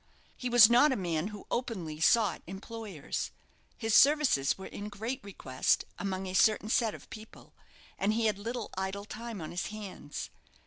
He was not a man who openly sought employers. His services were in great request among a certain set of people, and he had little idle time on his hands.